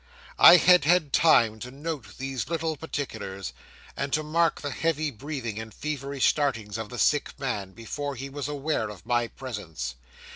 'I had had time to note these little particulars, and to mark the heavy breathing and feverish startings of the sick man, before he was aware of my presence.